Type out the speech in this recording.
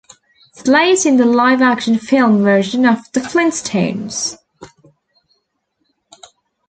Slate in the live-action film version of "The Flintstones".